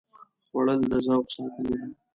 خوړل د ذوق ساتنه ده